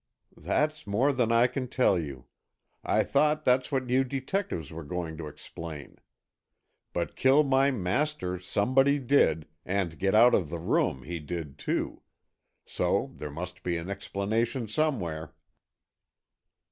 "That's more than I can tell you. I thought that's what you detectives were going to explain. But kill my master somebody did, and get out of the room, he did, too. So there must be an explanation somewhere."